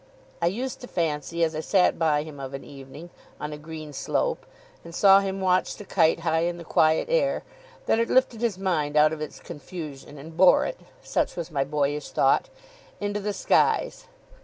I used to fancy, as I sat by him of an evening, on a green slope, and saw him watch the kite high in the quiet air, that it lifted his mind out of its confusion, and bore it (such was my boyish thought) into the skies.